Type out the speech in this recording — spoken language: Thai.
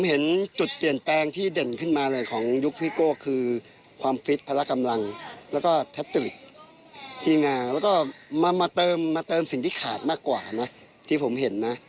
เห็นจุดเปลี่ยนแปลงที่เด่นขึ้นมาเลยของยุคพี่โก้คือความฟิตพละกำลังแล้วก็แทคติกทีมงานแล้วก็มาเติมสิ่งที่ขาดมากกว่านะที่ผมเห็นนะ